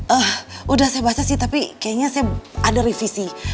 ah udah saya baca sih tapi kayaknya saya ada revisi